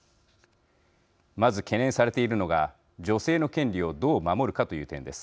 まず懸念されているのが女性の権利をどう守るかという点です。